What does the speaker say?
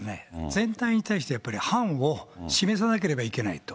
全体に対してやっぱり範を示さなければいけないと。